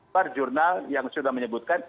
per jurnal yang sudah menyebutkan